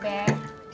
tidak ada yang ngerti